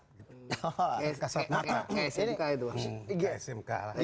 oh kayak smk itu